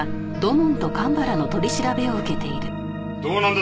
どうなんだ？